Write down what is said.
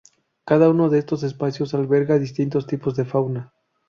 Cada uno de estos espacios alberga distintos tipos de fauna.